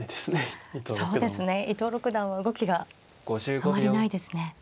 そうですね伊藤六段は動きがあまりないですね。